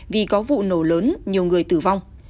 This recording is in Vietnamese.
vì có vụ nổ lớn nhiều người tử vong